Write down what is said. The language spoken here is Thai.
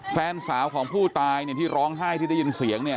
แฟนสาวของผู้ตายเนี่ยที่ร้องไห้ที่ได้ยินเสียงเนี่ย